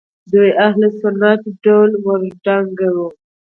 دوی اهل سنت ډول وډنګاوه